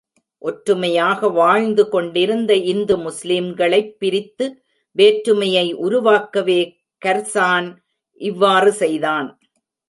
ஒற்றுமையாக வாழ்ந்து கொண்டிருந்த இந்து முஸ்லீம்களைப் பிரித்து வேற்றுமையை உருவாக்கவே கர்சான் இவ்வாறு செய்தான்.